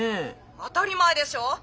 ☎当たり前でしょ！